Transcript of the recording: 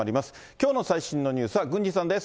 きょうの最新のニュースは郡司さんです。